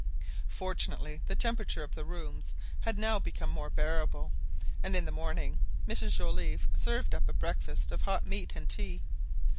Fortunately the temperature of the rooms had now become more bearable, and in the morning Mrs Joliffe served up a breakfast of hot meat and tea.